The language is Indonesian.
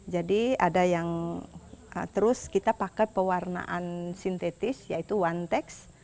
jadi ada yang terus kita pakai pewarnaan sintetis yaitu one text